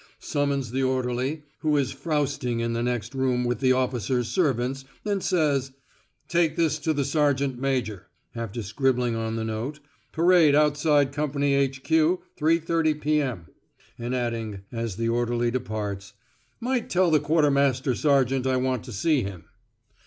summons the orderly, who is frowsting in the next room with the officers' servants, and says, "Take this to the sergeant major," after scribbling on the note "Parade outside Company H.Q. 3.30 p.m.," and adding, as the orderly departs, "Might tell the quartermaster sergeant I want to see him."